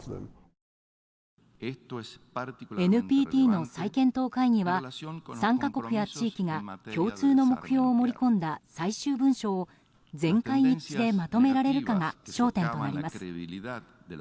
ＮＰＴの再検討会議は参加国や地域が共通の目標を盛り込んだ最終文書を全会一致でまとめられるかが焦点となります。